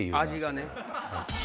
味がね。